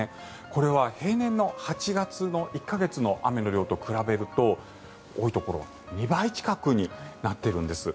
これは平年の８月の１か月の雨の量と比べると多いところは２倍近くになっているんです。